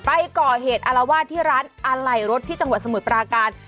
ไปก่อเหตุอารวาสที่ร้านอะไหล่รถที่จังหวัดสมุทรปราการ